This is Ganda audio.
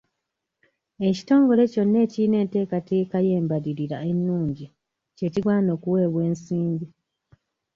Ekitongole kyonna ekiyina enteekateeka y'embalirira ennungi kye kigwana okuweebwa ensimbi.